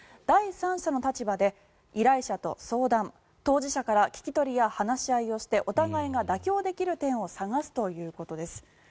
第三者の立場で依頼者と相談当事者から聞き取りや話し合いをしてお互いが妥協できる点を探すということです。